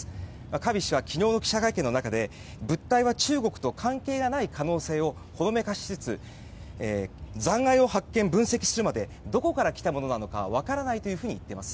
カービー氏は昨日の記者会見の中で物体は中国と関係がない可能性をほのめかしつつ残骸を発見、分析するまでどこから来たものなのか分からないというふうに言っています。